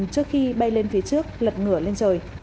trước khi bay lên phía trước lật ngửa lên trời